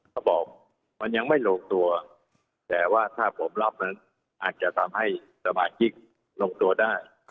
เขาบอกมันยังไม่ลงตัวแต่ว่าถ้าผมรับนั้นอาจจะทำให้สมาชิกลงตัวได้